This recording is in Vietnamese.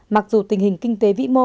mặc dù tình hình kinh tế vĩ mô